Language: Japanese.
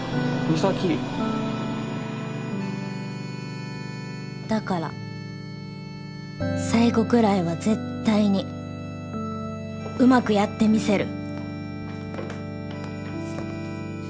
美咲だから最後くらいはぜったいにうまくやってみせる！